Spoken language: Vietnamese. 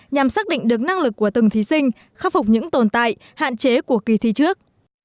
nhằm xác định được năng lực của từng thí sinh khắc phục những tồn tại hạn chế của kỳ thi trước